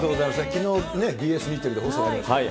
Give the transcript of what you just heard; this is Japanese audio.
きのう、ＢＳ日テレ放送ありましたけど。